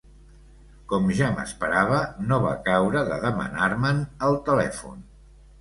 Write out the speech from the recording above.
Com ja m'esperava, no va caure de demanar-me'n el telèfon.